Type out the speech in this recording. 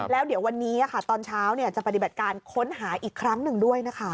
แล้วเดี๋ยววันนี้ตอนเช้าจะปฏิบัติการค้นหาอีกครั้งหนึ่งด้วยนะคะ